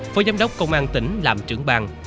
phó giám đốc công an tỉnh làm trưởng ban